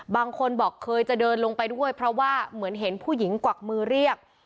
บางคนบอกเคยจะเดินลงไปด้วยเพราะว่าเหมือนเห็นผู้หญิงกวักมือเรียก